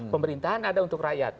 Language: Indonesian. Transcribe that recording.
pemerintahan ada untuk rakyat